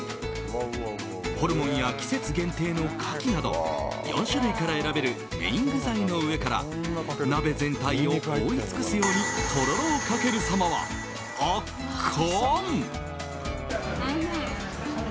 ホルモンや季節限定のカキなど４種類から選べるメイン具材の上から鍋全体を覆い尽くすようにとろろをかけるさまは圧巻！